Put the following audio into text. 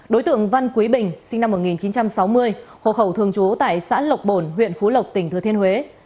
đối tượng văn quý bình sinh năm một nghìn chín trăm sáu mươi hộ khẩu thường trú tại xã lộc bồn huyện phú lộc tỉnh thừa thiên huế